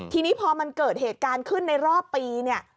ทีนี้พอมันเกิดเหตุการณ์ขึ้นในรอบปีเนี่ย